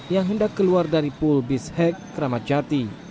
yang hendak keluar dari pul bis hek ramadjati